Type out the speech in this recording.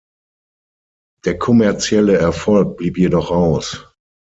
Der kommerzielle Erfolg blieb jedoch aus.